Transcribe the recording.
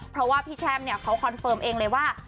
เพราะว่าพี่แช่มเนี่ยเขาคอนเฟิร์มเองเลยว่า